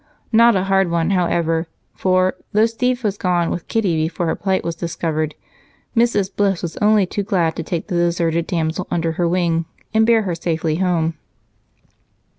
Not a hard one, however; for, though Steve was gone with Kitty before her plight was discovered, Mrs. Bliss was only too glad to take the deserted damsel under her wing and bear her safely home.